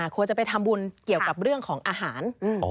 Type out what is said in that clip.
เกี่ยวกับเรื่องของอาหาร